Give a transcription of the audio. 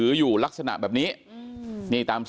เป็นมีดปลายแหลมยาวประมาณ๑ฟุตนะฮะที่ใช้ก่อเหตุ